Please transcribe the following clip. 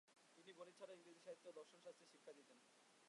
তিনি গণিত ছাড়াও ইংরেজি সাহিত্য ও দর্শনশাস্ত্রে শিক্ষা দিতেন।